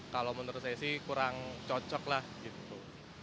kalau menurut saya sih kurang cocok lah gitu